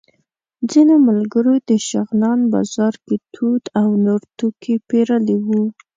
ځینو ملګرو د شغنان بازار کې توت او نور توکي پېرلي وو.